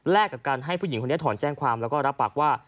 กับการให้ผู้หญิงคนนี้ถอนแจ้งความแล้วก็รับปากว่า